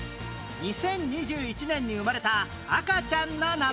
２０２１年に生まれた赤ちゃんの名前